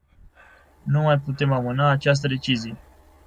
Nu mai putem amâna această decizie.